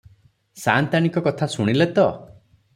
ସାଆନ୍ତାଣୀଙ୍କ କଥା ଶୁଣିଲେ ତ?